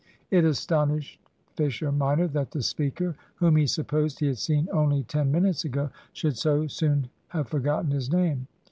It astonished Fisher minor, that the speaker, whom he supposed he had seen only ten minutes ago, should so soon have forgotten his name.